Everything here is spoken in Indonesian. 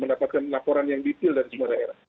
mendapatkan laporan yang detail dari semua daerah